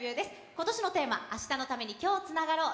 ことしのテーマ、明日のために、今日つながろう。